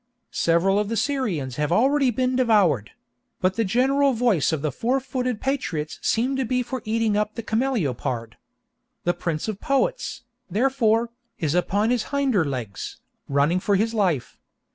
Several of the Syrians have already been devoured; but the general voice of the four footed patriots seems to be for eating up the cameleopard. 'The Prince of Poets,' therefore, is upon his hinder legs, running for his life.